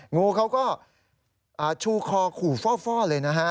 งูเขาก็ชูคอขู่ฟ่อเลยนะฮะ